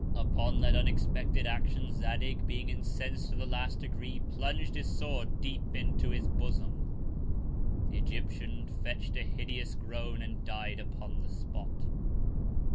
Upon that unexpected Action, Zadig, being incens'd to the last Degree, plung'd his Sword deep into his Bosom. The Egyptian fetch'd a hideous Groan, and died upon the Spot.